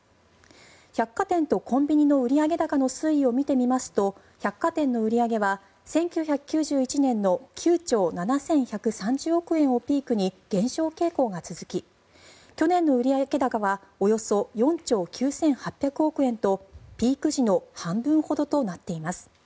百貨店とコンビニの売上高の推移を見てみますと百貨店の売り上げは１９９１年の９兆７１３０億円をピークに減少傾向が続き去年の売上高は凡そ４兆９８００億円とピーク時の半分ほどとなっています。